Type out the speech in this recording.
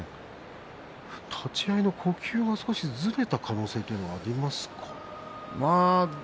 立ち合いの呼吸が少しずれた可能性もありますか？